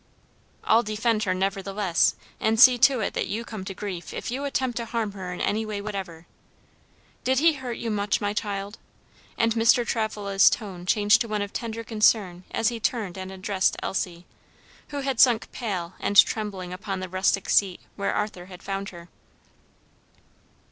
"I'll defend her nevertheless, and see to it that you come to grief if you attempt to harm her in any way whatever. Did he hurt you much, my child?" And Mr. Travilla's tone changed to one of tender concern as he turned and addressed Elsie, who had sunk pale and trembling upon the rustic seat where Arthur had found her.